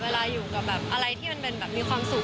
เวลาอยู่กับอะไรที่มีความสุข